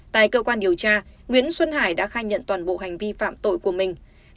tại cơ quan điều tra nguyễn xuân hải đã khai nhận toàn bộ hành vi phạm tội của mình